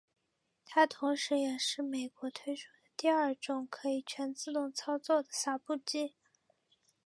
它同时也是美国推出的第二种可以全自动操作的洒布器。